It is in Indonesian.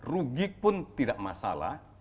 rugi pun tidak masalah